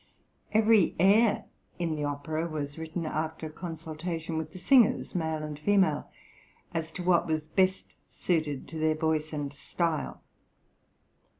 Every air in the opera was written after consultation with the singers, male and female, as to what was best suited to their voice and style.